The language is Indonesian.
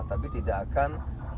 tapi tidak akan